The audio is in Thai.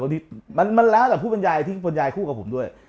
โดยที่เป็นแล้วได้ผู้บรรยายที่ขุ้ัีกับผมด้วย